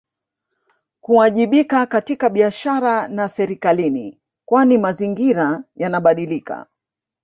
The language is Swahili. Kuwajibika katika biashara na serikalini kwani mazingira yanabadilika